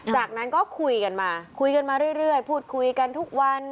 จากนั้นก็คุยกันมาคุยกันมาเรื่อยพูดคุยกันทุกวัน